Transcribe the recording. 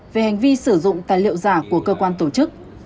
về hành vi sử dụng tài liệu giả của cơ quan tổ chức